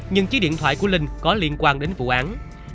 nhưng chiếc điện thoại của linh có liên quan đến vụ án